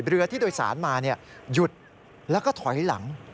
เรือที่โดยสารมาหยุดแล้วก็ถอยหลัง